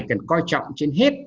cần coi trọng trên hết